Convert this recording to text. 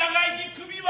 首は。